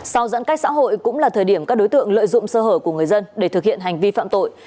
sau giãn cách xã hội cũng là thời điểm các đối tượng lợi dụng sơ hở của người dân để thực hiện hành vi phạm tội